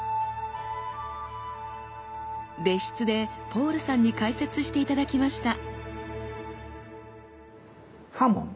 別室でポールさんに解説して頂きました。